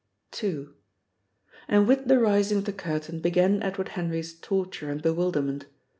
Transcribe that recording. II. And with the rising of the curtain began Edward Henry's torture and bewilderment.